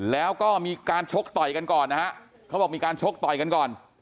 แล้วก็มีการชกต่อยกันก่อนนะฮะเขาบอกมีการชกต่อยกันก่อน